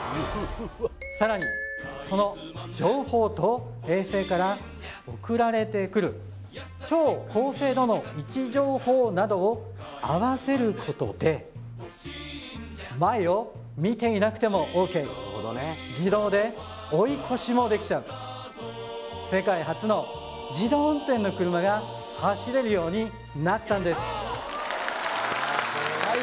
さらにその情報と衛星から送られてくる超高精度の位置情報などを合わせることで前を見ていなくてもＯＫ自動で追い越しもできちゃう世界初の自動運転の車が走れるようになったんです